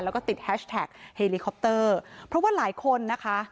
แล้วก็ติดแฮชแท็กเฮลิคอปเตอร์เพราะว่าหลายคนนะคะ